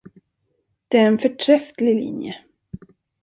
Det är en förträfflig linje.